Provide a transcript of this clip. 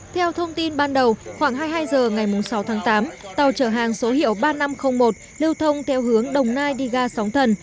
theo thông tin ban đầu khoảng hai mươi hai h ngày sáu tháng tám tàu chở hàng số hiệu ba nghìn năm trăm linh một lưu thông theo hướng đồng nai đi ga sóng thần